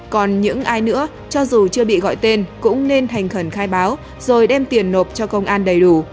còn những ai nữa cho dù chưa bị gọi tên cũng nên thành khẩn khai báo rồi đem tiền nộp cho công an đầy đủ